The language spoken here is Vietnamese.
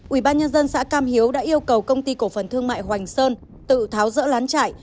ubnd xã cam hiếu đã yêu cầu công ty cổ phần thương mại hoành sơn tự tháo rỡ lán chạy